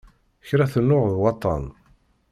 Kra tennuɣ d waṭṭan.